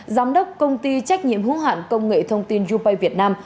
giám đốc công ty trách nhiệm hữu hạn công nghệ thông tin yopay việt nam